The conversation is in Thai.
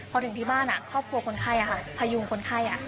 พอถึงที่บ้านอ่ะครอบครัวคนไข้อ่ะค่ะพยุงคนไข้อ่ะ